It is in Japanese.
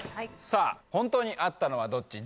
さあ本当にあったのはどっち？